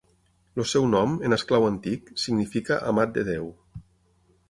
El seu nom, en eslau antic, significa 'amat de Déu'.